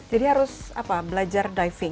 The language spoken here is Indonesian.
jadi harus apa belajar diving